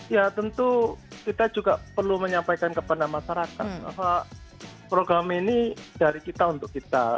ya tentu kita juga perlu menyampaikan kepada masyarakat bahwa program ini dari kita untuk kita